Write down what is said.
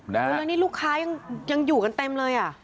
แล้วนี่ลูกค้ายังอยู่กันเต็มเลยอ่ะ